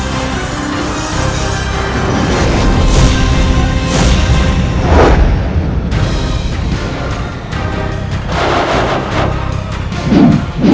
kenapa china serang kita